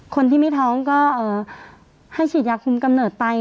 คนที่ไม่ท้องก็ให้ฉีดยาคุมกำเนิดไป